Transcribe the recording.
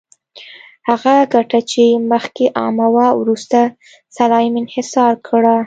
هغه ګټه چې مخکې عامه وه، وروسته سلایم انحصار کړه.